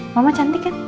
mama cantik kan